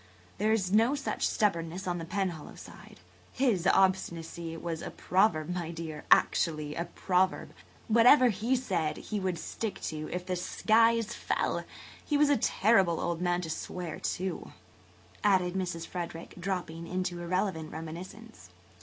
There is no such stubbornness on the Penhallow side. His obstinacy was a proverb, my dear–actually a proverb. What ever he said he would stick to if the skies fell. He was a terrible old man to swear, too," added Mrs. Frederick, dropping into irrelevant reminiscence.